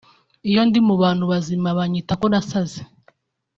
iyo ndi mu bantu bazima banyita ko nasaze